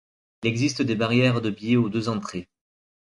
Il existe des barrières de billets aux deux entrées.